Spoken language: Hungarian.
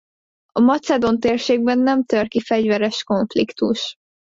A macedón térségben nem tör ki fegyveres konfliktus.